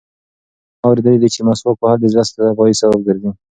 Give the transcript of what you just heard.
ما اورېدلي دي چې مسواک وهل د زړه د صفایي سبب ګرځي.